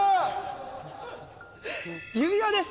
指輪です。